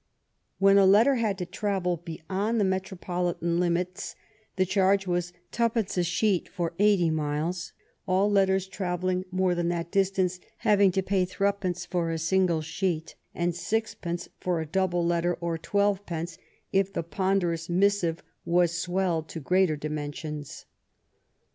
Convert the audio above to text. When a letter had to travel beyond the metropolitan limits the charge was twopence a sheet for eighty miles, all letters travelling more than that distance having to pay threepence for a single sheet, and sixpence for a double letter, or twelvepence if the ponderous mis sive was swelled to greater dimensions.